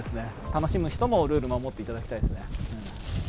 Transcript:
楽しむ人もルール守っていただきたいですね。